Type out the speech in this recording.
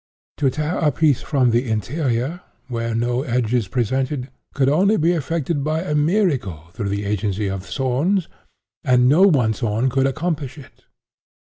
To tear a piece from the interior, where no edge is presented, could only be effected by a miracle through the agency of thorns, and no one thorn could accomplish it.